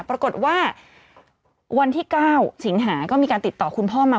ปรากฏว่าวันที่๙สิงหาก็มีการติดต่อคุณพ่อมา